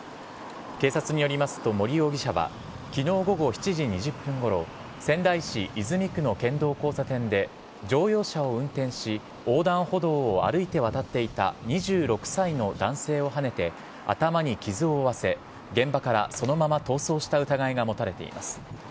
警察によりますと、森容疑者はきのう午後７時２０分ごろ、仙台市泉区の県道交差点で乗用車を運転し、横断歩道を歩いて渡っていた２６歳の男性をはねて頭に傷を負わせ、現場からそのまま逃走した疑いが持たれています。